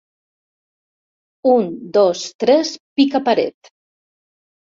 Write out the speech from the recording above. Un, dos, tres, pica paret!